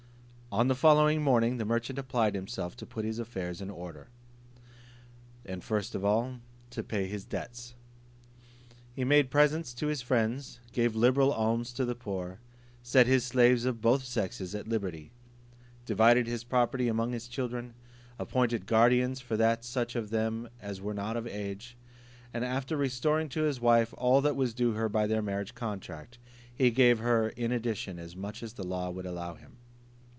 On the following morning the merchant applied himself to put his affairs in order; and first of all to pay his debts. He made presents to his friends, gave liberal alms to the poor, set his slaves of both sexes at liberty, divided his property among his children, appointed guardians for such of them as were not of age; and after restoring to his wife all that was due to her by their marriage contract, he gave her in addition as much as the law would allow him.